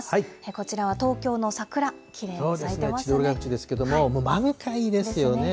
こちらは東京の桜、きれいに咲い千鳥ヶ淵ですけれども、もう満開ですよね。